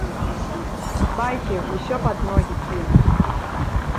Байкі, усё пад ногі кіну.